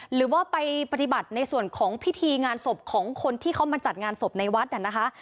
หรือว่าไปปฏิบัติในส่วนของพิธีงานศพของคนที่เขามาจัดงานศพในวัดน่ะนะคะ